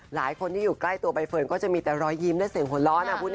หลายคนที่อยู่ใกล้ตัวใบเฟิร์นก็จะมีแต่รอยยิ้มและเสียงหัวร้อน